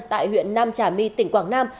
tại huyện nam trà my tỉnh quảng nam